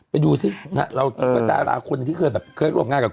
ไปดูซิดาราคนที่เคยร่วมงานกับ